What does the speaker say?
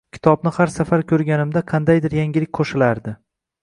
Kitobni har safar ko‘rganimda qandaydir yangilik qo‘shilardi